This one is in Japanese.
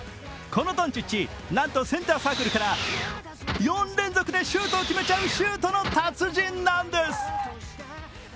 このドンチッチ、なんとセンターサークルから４連続でシュートを決めちゃうシュートの達人なんです！